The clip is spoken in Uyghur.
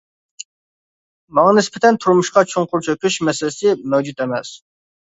ماڭا نىسبەتەن «تۇرمۇشقا چوڭقۇر چۆكۈش» مەسىلىسى مەۋجۇت ئەمەس.